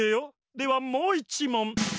ではもういちもん。